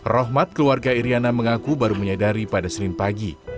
rohmat keluarga iryana mengaku baru menyadari pada senin pagi